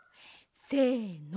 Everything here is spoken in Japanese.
せの！